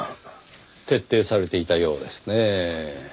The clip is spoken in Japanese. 徹底されていたようですねぇ。